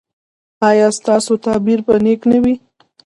ایا ستاسو تعبیر به نیک نه وي؟